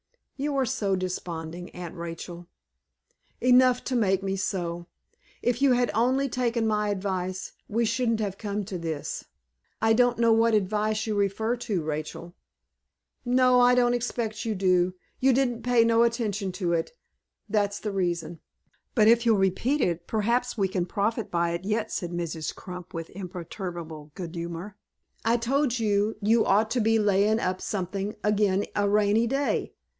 "You are too desponding, Aunt Rachel." "Enough to make me so. If you had only taken my advice, we shouldn't have come to this." "I don't know what advice you refer to, Rachel." "No, I don't expect you do. You didn't pay no attention to it. That's the reason." "But if you'll repeat it, perhaps we can profit by it yet," said Mrs. Crump, with imperturbable good humor. "I told you you ought to be layin' up something ag'in a rainy day.